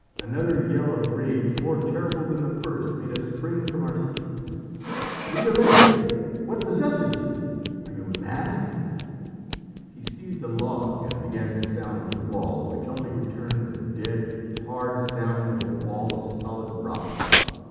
Another yell of rage more terrible than the first made us spring from our seats. "Lieverlé! what possesses you? Are you going mad?" He seized a log and began to sound the wall, which only returned the dead, hard sound of a wall of solid rock.